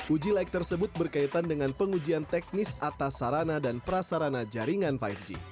uji laik tersebut berkaitan dengan pengujian teknis atas sarana dan prasarana jaringan lima g